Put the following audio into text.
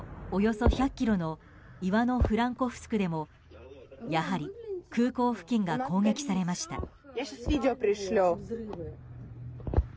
およそ１００ｋｍのイワノ・フランコフスクでもやはり空港付近が攻撃されました。